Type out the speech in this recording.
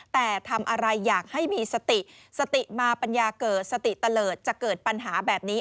แต่ทำอะไรอยากให้มีสติสติมาปัญญาเกิดสติเตลิศจะเกิดปัญหาแบบนี้